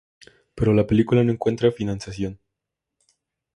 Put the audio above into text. Pero la película no encuentra financiación.